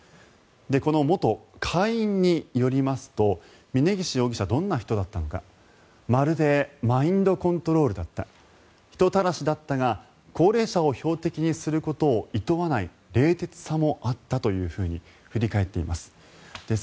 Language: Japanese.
元会員によりますと峯岸容疑者、どんな人だったのかまるでマインドコントロールだった人たらしだったが高齢者を標的にすることをいとわない冷徹さもあったと振り返っています。